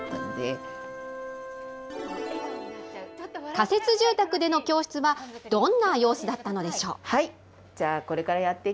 仮設住宅での教室はどんな様子だったのでしょう。